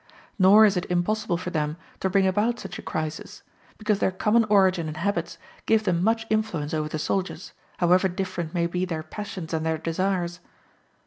Nor is it impossible for them to bring about such a crisis, because their common origin and habits give them much influence over the soldiers, however different may be their passions and their desires.